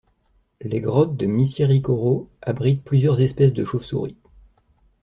Les grottes de Missirikoro abritent plusieurs espèces de chauves-souris.